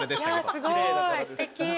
すごいすてき。